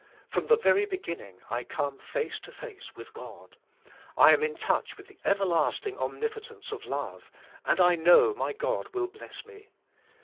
From the very beginning I come face to face with God; I am in touch with the everlasting omnipotence of love and I know my God will bless me.